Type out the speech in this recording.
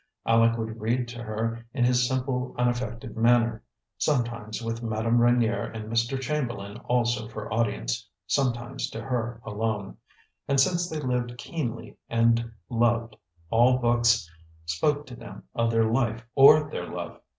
Aleck would read to her in his simple, unaffected manner, sometimes with Madame Reynier and Mr. Chamberlain also for audience, sometimes to her alone. And since they lived keenly and loved, all books spoke to them of their life or their love.